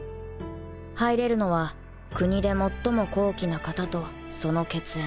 入れるのは国で最も高貴な方とその血縁